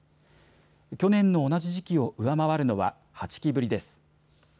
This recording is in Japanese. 去年の同じ時期を上回るのは８期ぶりです。